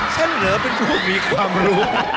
ฉันเหรอเป็นผู้มีความรู้